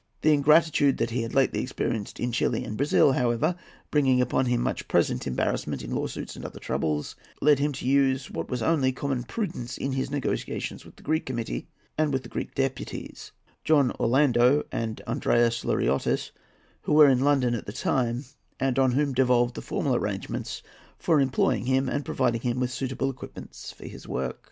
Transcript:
The ingratitude that he had lately experienced in Chili and Brazil, however, bringing upon him much present embarrassment in lawsuits and other troubles, led him to use what was only common prudence in his negotiations with the Greek Committee and with the Greek deputies, John Orlando and Andreas Luriottis, who were in London at the time, and on whom devolved the formal arrangements for employing him and providing him with suitable equipments for his work.